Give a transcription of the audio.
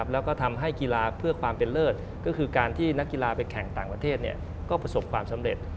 แล้วก็ทำให้กีฬาเพื่อความเป็นเลิศก็คือการที่นักกีฬาไปแข่งต่างประเทศก็ประสบความสำเร็จ